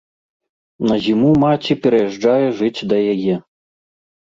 На зіму маці пераязджае жыць да яе.